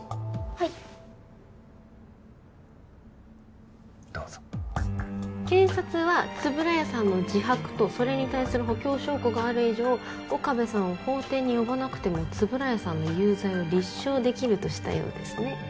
はいどうぞ検察は円谷さんの自白とそれに対する補強証拠がある以上岡部さんを法廷に呼ばなくても円谷さんの有罪を立証できるとしたようですね